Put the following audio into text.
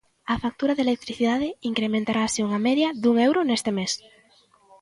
A factura de electricidade incrementarase unha media dun euro neste mes.